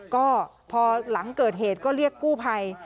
ก็พอหลังเกิดเหตุก็เรียกกู้ภัย